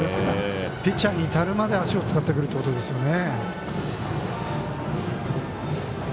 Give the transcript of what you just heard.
ピッチャーに至るまで足を使ってくるということですね。